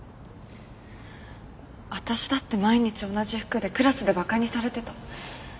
私だって毎日同じ服でクラスで馬鹿にされてた。